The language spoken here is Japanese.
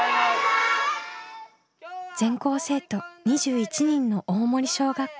全校生徒２１人の大森小学校。